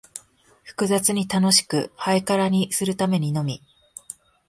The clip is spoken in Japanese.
複雑に楽しく、ハイカラにするためにのみ、